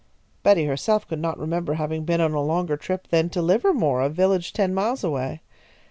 Betty herself could not remember having been on a longer trip than to Livermore, a village ten miles away.